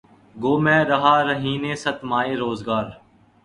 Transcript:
گو میں رہا رہینِ ستمہائے روزگار